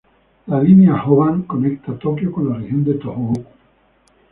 La línea Jōban conecta Tokio con la región de Tōhoku.